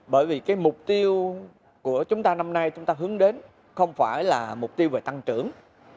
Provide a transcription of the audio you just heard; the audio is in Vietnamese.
bởi vì cái mục tiêu của chúng ta năm nay chúng ta hướng đến không phải là mục tiêu về tăng trưởng